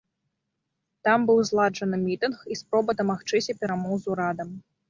Там быў зладжаны мітынг і спроба дамагчыся перамоў з урадам.